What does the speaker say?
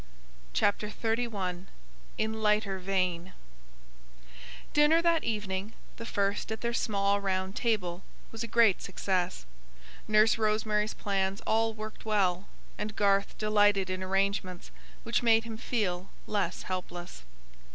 CHAPTER XXXI IN LIGHTER VEIN Dinner that evening, the first at their small round table, was a great success. Nurse Rosemary's plans all worked well; and Garth delighted in arrangements which made him feel less helpless.